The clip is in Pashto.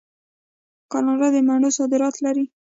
کاناډا د مڼو صادرات لري.